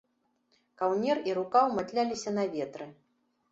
Каўнер і рукаў матляліся на ветры.